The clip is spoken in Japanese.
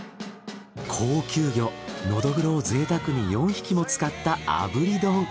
高級魚ノドグロをぜいたくに４匹も使った炙り丼。